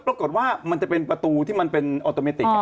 มันจะเป็นประตูที่มันเป็นออโตเมติก